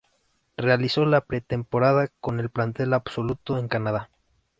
Realizó la pretemporada con el plantel absoluto, en Canadá.